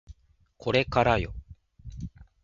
これからよ